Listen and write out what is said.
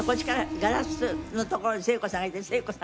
ガラスのところに聖子さんがいて聖子さん